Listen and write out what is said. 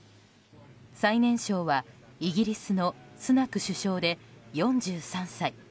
最年少はイギリスのスナク首相で４３歳。